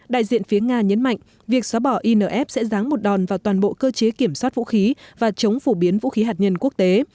đại diện phía nga nhấn mạnh việc xóa bỏ inf sẽ ráng một đòn vào toàn bộ cơ chế kiểm soát vũ khí và chống phổ biến vũ khí hạt nhân quốc tế